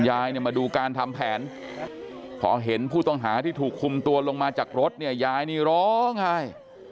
มาดูการทำแผนเห็นผู้ต้องหาที่ถูกคุมตัวลงมาจากรถยลนี่ล้อไง